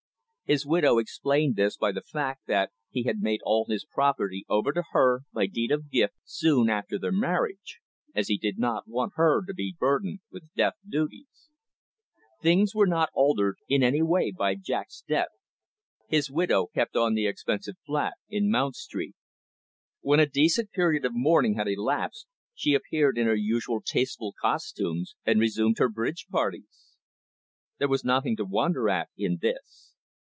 His widow explained this by the fact that he had made all his property over to her, by deed of gift, soon after their marriage, as he did not want her to be burdened with death duties. Things were not altered in any way by Jack's death. His widow kept on the expensive flat in Mount Street. When a decent period of mourning had elapsed, she appeared in her usual tasteful costumes, and resumed her bridge parties. There was nothing to wonder at in this.